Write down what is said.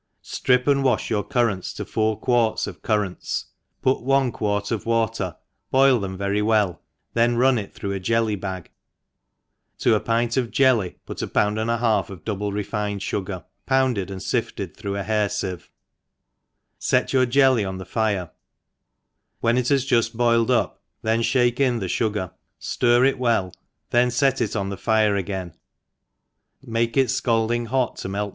STRIP and wa(h your currants, to four quarts of currants put one quart of water, boil them very well, then run it through a jelly bag, to a pint of jelly put a pound and a half of double refined fugar, pounded and lifted through a hair iieve, (tt your jelly on the fire, when it has juft boiled up, Ihake in the fugar, ilir it well, then fet it on the fire again, make it fcalding hoc «40 THE EXPERIENCED hot to melt